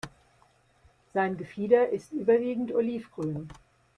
Sein Gefieder ist überwiegend olivgrün.